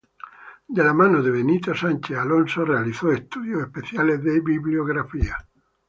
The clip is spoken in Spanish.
De la mano de Benito Sánchez Alonso realizó estudios especiales de bibliografía.